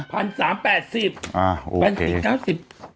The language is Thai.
พันสามแปดสิบอ่าแปนสิบเก้าสิบ